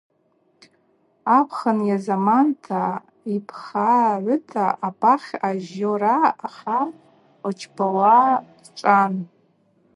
Апхын йазаманта, йпхагӏвыта апахь ажьора хар лчпауа дчӏван.